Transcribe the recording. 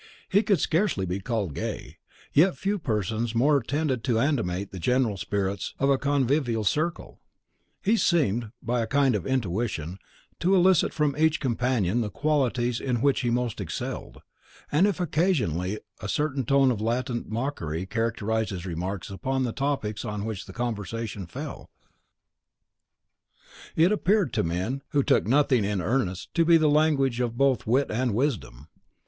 He could scarcely be called gay; yet few persons more tended to animate the general spirits of a convivial circle. He seemed, by a kind of intuition, to elicit from each companion the qualities in which he most excelled; and if occasionally a certain tone of latent mockery characterised his remarks upon the topics on which the conversation fell, it appeared to men who took nothing in earnest to be the language both of wit and wisdom.